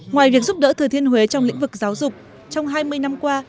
ngoài việc giúp đỡ thừa thiên huế trong lĩnh vực giáo dục trong hai mươi năm qua